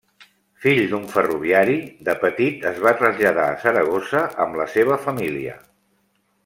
Fill d'un ferroviari, de petit es va traslladar a Saragossa amb la seva família.